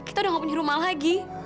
kita udah gak punya rumah lagi